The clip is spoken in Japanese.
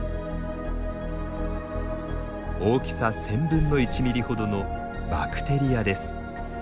大きさ１，０００分の１ミリほどのバクテリアです。